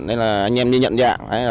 đây là anh em đi nhận dạng